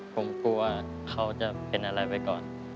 ผมกลัวเขาจะเป็นอะไรไปก่อน